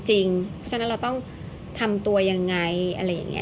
เพราะฉะนั้นเราต้องทำตัวยังไงอะไรอย่างนี้